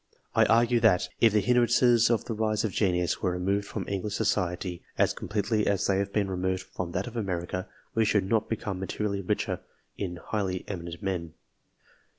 I argue that, if the hindrances to the rise of genius, were removed from English society as com pletely as they have been removed from that of America, we should not become materially richer in highly eminent men.